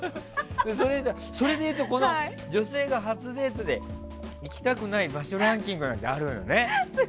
それで言うと、女性が初デートで行きたくない場所ランキングなんてあるんだね。